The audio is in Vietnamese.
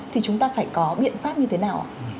thì chúng ta phải có biện pháp như thế nào ạ